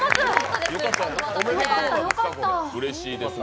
うれしいですね。